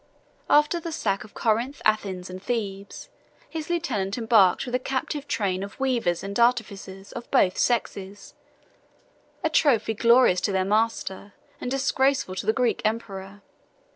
After the sack of Corinth, Athens, and Thebes, his lieutenant embarked with a captive train of weavers and artificers of both sexes, a trophy glorious to their master, and disgraceful to the Greek emperor.